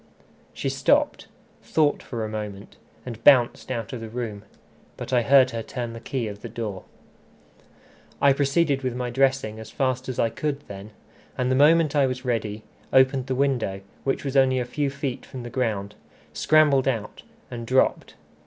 She stopped, thought for a moment, and bounced out of the room. But I heard her turn the key of the door. I proceeded with my dressing as fast as I could then; and the moment I was ready, opened the window, which was only a few feet from the ground, scrambled out, and dropped.